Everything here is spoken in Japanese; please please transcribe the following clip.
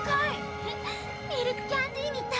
ふふっミルクキャンディーみたい！